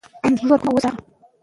که الفت وي، نو پوهه به تل زنده وي.